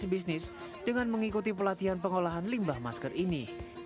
bisnis bisnis dengan mengikuti pelatihan pengolahan limbah masker ini